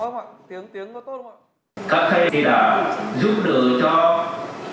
các thầy đã giúp đỡ cho tất cả những nghề đồng nghiệp ở tuyến dưới này